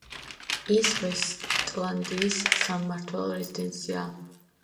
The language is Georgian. ის ვესტლანდიის სამმართველო რეზიდენციაა.